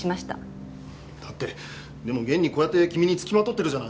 だってでも現にこうやって君につきまとってるじゃないか。